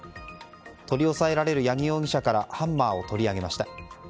取り押さえられる八木容疑者からハンマーを取り上げました。